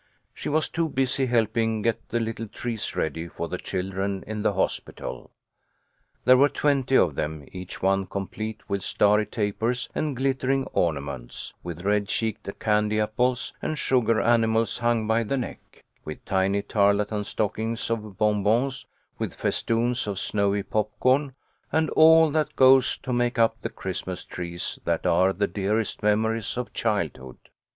She was too busy helping get the little trees ready for the children in the hospital. There were twenty of them, each one complete, with starry tapers and glittering ornaments, with red cheeked candy apples, and sugar animals hung by the neck ; with tiny tarlatan stockings of bonbons, with festoons of snowy popcorn, and all that goes to make up the Christmas trees that are the dearest memories of childhood.